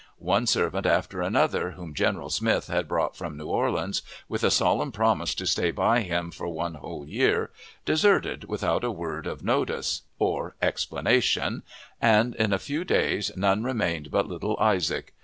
One servant after another, whom General Smith had brought from New Orleans, with a solemn promise to stand by him for one whole year, deserted without a word of notice or explanation, and in a few days none remained but little Isaac.